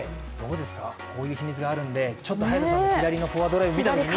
こういう秘密があるんでちょっと早田さんの左のフォアドライブ、見たいですよね。